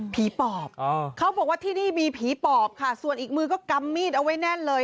ปอบเขาบอกว่าที่นี่มีผีปอบค่ะส่วนอีกมือก็กำมีดเอาไว้แน่นเลย